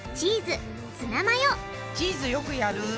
チーズよくやる。